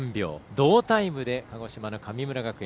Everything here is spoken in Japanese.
同タイムで鹿児島の神村学園。